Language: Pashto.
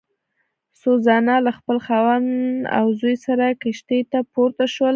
سوزانا له خپل خاوند او زوی سره کښتۍ ته پورته شول.